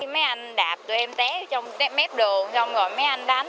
mấy anh đạp tụi em té trong cái mép đường xong rồi mấy anh đánh